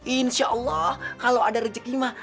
insya allah kalau ada rezeki mah